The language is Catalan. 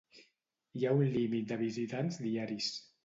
Hi ha un límit de visitants diaris.